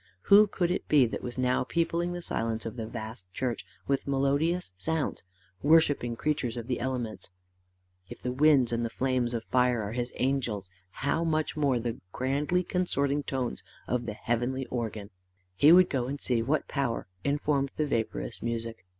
Who could it be that was now peopling the silence of the vast church with melodious sounds, worshipping creatures of the elements? If the winds and the flames of fire are his angels, how much more the grandly consorting tones of the heavenly organ! He would go and see what power informed the vaporous music.